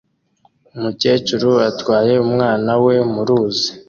Umukecuru atwaye umwana we muruzi